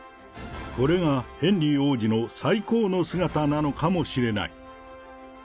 これがヘンリー王子の最高の姿なのかもしれない。